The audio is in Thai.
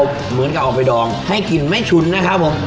พอไปดองให้กลิ่นไม่ชุนนะครับผม